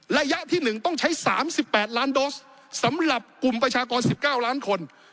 ระยะที่๑ต้องใช้๓๘ล้านโดสสำหรับกลุ่มประชากร๑๙ล้านคน